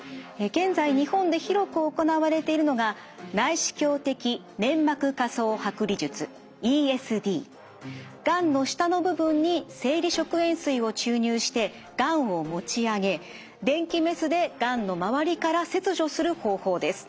現在日本で広く行われているのががんの下の部分に生理食塩水を注入してがんを持ち上げ電気メスでがんの周りから切除する方法です。